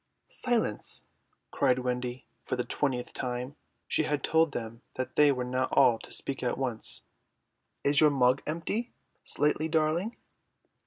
"Silence," cried Wendy when for the twentieth time she had told them that they were not all to speak at once. "Is your mug empty, Slightly darling?"